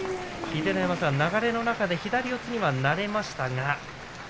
秀ノ山さん、流れの中で左四つにはなれましたが。